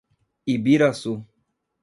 Ibiraçu